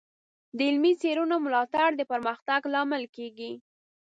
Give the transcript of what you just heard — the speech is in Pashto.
د علمي څیړنو ملاتړ د پرمختګ لامل کیږي.